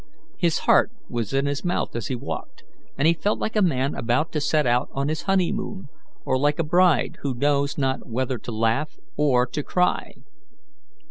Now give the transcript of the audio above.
His heart was in his mouth as he walked, and he felt like a man about to set out on his honeymoon, or like a bride who knows not whether to laugh or to cry.